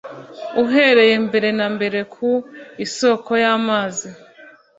uhereye mbere na mbere ku isoko y’amazi